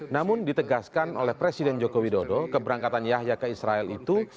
namun ditegaskan oleh presiden joko widodo keberangkatan yahya ke israel itu